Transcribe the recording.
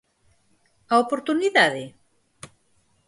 ¿A oportunidade?